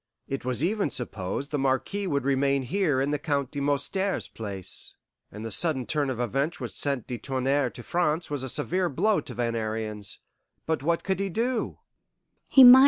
It was even supposed the Marquis would remain here in the Count de Moustier's place, and the sudden turn of events which sent de Tounnerre to France was a severe blow to Van Ariens. But what could he do?"